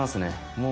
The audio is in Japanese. もう。